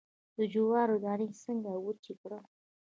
د جوارو دانی څنګه وچې کړم؟